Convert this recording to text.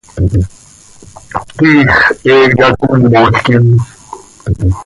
Tiix he yacómolquim.